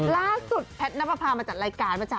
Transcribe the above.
ล่าสุดแพทนัพพามาจัดรายการมาเช้า